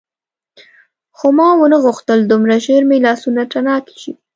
خو ما ونه غوښتل دومره ژر مې لاسونه تڼاکي شي.